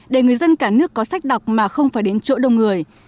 để người dân cả nước có sách đọc mà không phải đến chỗ đông người